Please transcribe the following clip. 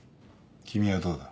君はどうだ？